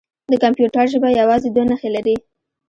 د کمپیوټر ژبه یوازې دوه نښې لري.